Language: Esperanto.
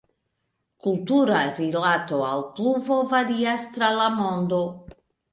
Kultura rilato al pluvo varias tra la mondo.